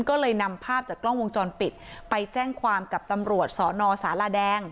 ก็เลยนำภาพจากกล้องวงจรปิดไปแจ้งความกับตำรวจสนสาราแดง